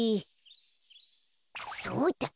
そうだ！